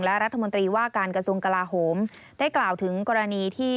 และรัฐมนตรีว่าการกระทรวงกลาโหมได้กล่าวถึงกรณีที่